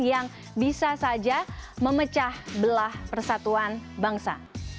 yang bisa saja memecah belah persatuan bangsa